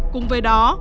cùng với đó